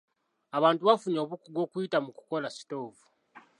Abantu bafunye obukugu okuyita mu kukola sitoovu.